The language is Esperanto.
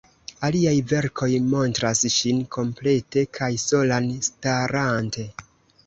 Aliaj verkoj montras ŝin komplete kaj solan, starante.